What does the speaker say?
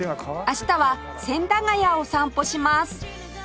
明日は千駄ヶ谷を散歩します